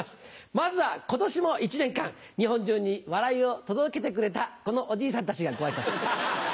まずは今年も一年間日本中に笑いを届けてくれたこのおじいさんたちがご挨拶。